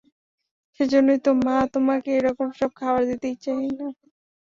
সেইজন্যই তো মা, তোমাকে এরকম সব খবর দিতেই চাই না।